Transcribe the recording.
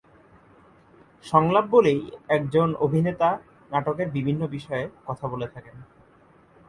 সংলাপ বলেই একজন অভিনেতা নাটকের বিভিন্ন বিষয়ে বলে থাকেন।